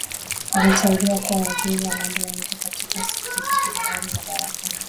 Aliteuliwa kuwa Waziri wa Mambo ya Nje katika siku zake za awali madarakani